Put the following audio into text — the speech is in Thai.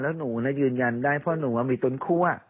แล้วหนูน่ายืนยันได้นพอหนูมันมีตรงคั่ว